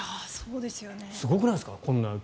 すごくないですか？